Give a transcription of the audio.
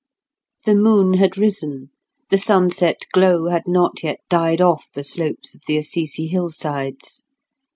The moon had risen; the sunset glow had not yet died off the slopes of the Assisi hillsides.